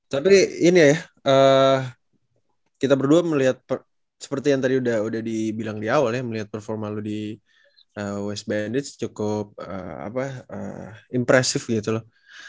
tapi ini ya kita berdua melihat seperti yang tadi udah dibilang di awal ya melihat performa lo di west bandridge cukup impresif gitu loh